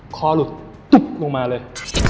คอหลุดลงมาเลย